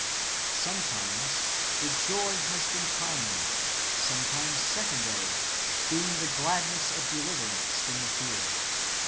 Sometimes the joy has been primary; sometimes secondary, being the gladness of deliverance from the fear.